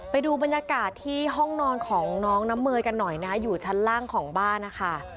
ไปดูบรรยากาศที่ห้องนอนของน้องน้ำเมยกันหน่อยนะอยู่ชั้นล่างของบ้านนะคะ